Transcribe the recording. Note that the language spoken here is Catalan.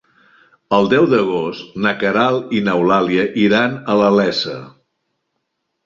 El deu d'agost na Queralt i n'Eulàlia iran a la Iessa.